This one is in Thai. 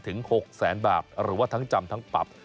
ถึง๖แสนบาทหรือว่าทั้งจำทั้งปรับ